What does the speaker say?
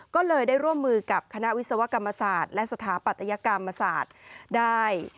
ก็เลยได้ร่วมมือกับคณะวิศวกรรมศาสตร์และสถาปัตยกรรมศาสตร์ได้